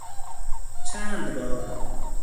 چند بار